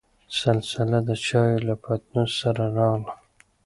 سلسله دچايو له پتنوس سره راغله.